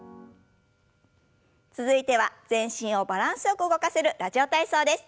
続いては全身をバランスよく動かせる「ラジオ体操」です。